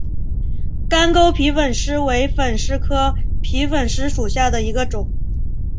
干沟皮粉虱为粉虱科皮粉虱属下的一个种。